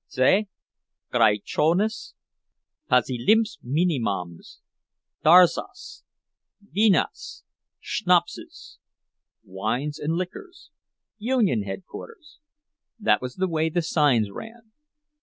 "Z. Graiczunas, Pasilinksminimams darzas. Vynas. Sznapsas. Wines and Liquors. Union Headquarters"—that was the way the signs ran.